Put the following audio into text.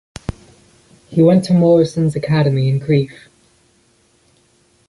He went to Morrison's Academy in Crieff.